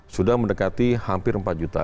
sudah mendekati hampir empat juta